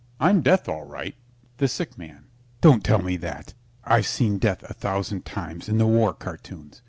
I'm Death, all right. THE SICK MAN Don't tell me that. I've seen Death a thousand times in the war cartoons.